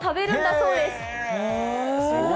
そうですか。